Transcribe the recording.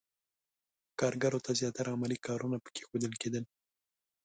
کارګرو ته زیاتره عملي کارونه پکې ښودل کېدل.